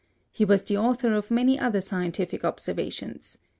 He was the author of many other scientific observations.